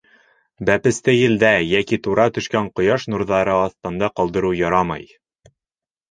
Бәпесте елдә йәки тура төшкән ҡояш нурҙары аҫтында ҡалдырыу ярамай.